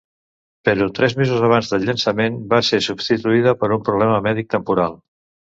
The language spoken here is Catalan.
Però tres mesos abans del llançament va ser substituïda per un problema mèdic temporal.